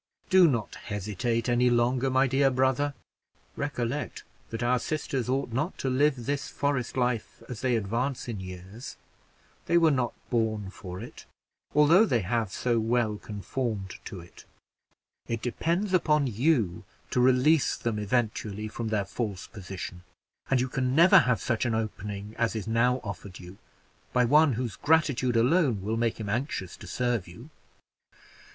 Do not hesitate any longer, my dear brother; recollect that our sisters ought not to live this forest life as they advance in years they were not born for it, although they have so well conformed to it. It depends upon you to release them eventually from their false position; and you can never have such an opening as is now offered you, by one whose gratitude alone will make him anxious to serve you."